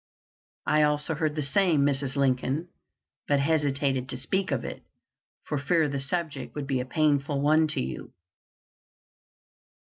"I also heard the same, Mrs. Lincoln, but hesitated to speak of it, for fear the subject would be a painful one to you."